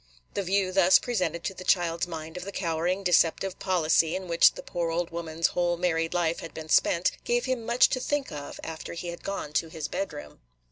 The view thus presented to the child's mind of the cowering, deceptive policy in which the poor old woman's whole married life had been spent gave him much to think of after he had gone to his bedroom.